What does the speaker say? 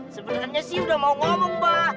sebenernya sih udah mau ngomong mbak